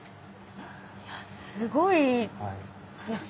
いやすごいですね。